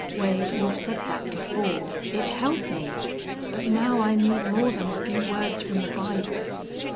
"Wade, you've said that before. It helped me. But now I need more than a few words from the Bible.